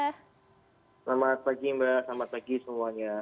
selamat pagi mbak selamat pagi semuanya